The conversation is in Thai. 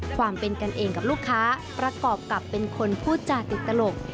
ความเป็นกันเองกับลูกค้าประกอบกับเป็นคนพูดจาติดตลก